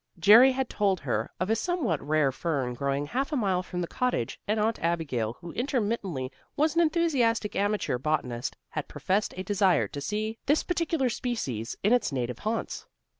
Jerry had told her of a somewhat rare fern growing half a mile from the cottage, and Aunt Abigail who intermittently was an enthusiastic amateur botanist had professed a desire to see this particular species in its native haunts.